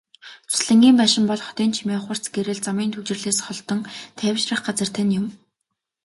Зуслангийн байшин бол хотын чимээ, хурц гэрэл, замын түгжрэлээс холдон тайвшрах газар тань юм.